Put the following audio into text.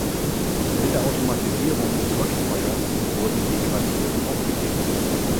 Mit der Automatisierung des Leuchtfeuers wurden die Quartiere aufgegeben.